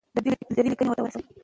د ده لیکنې ولس ته ورسوو.